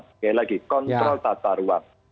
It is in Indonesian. sekali lagi kontrol tata ruang